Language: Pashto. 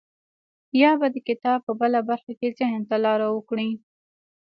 يا به د کتاب په بله برخه کې ذهن ته لاره وکړي.